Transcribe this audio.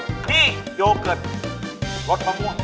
นี่โยเกิร์ตรสมะม่วง